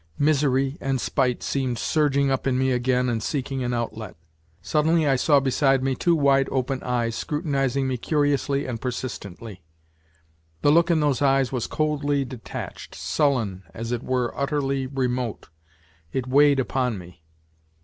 Misery and spite seemed surging up in me again and seeking an outlet. Suddenly I saw beside me two wide open eyes scrutinizing me curiously and persistently. The look in those eyes was coldly detached, sullen, as it were utterly remote ; it weighed upon me.